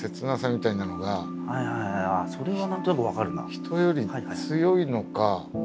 人より強いのか